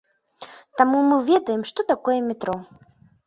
Таму мы ведаем, што такое метро.